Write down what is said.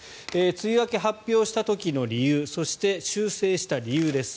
梅雨明け発表した時の理由そして、修正した理由です。